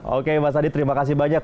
oke mas adi terima kasih banyak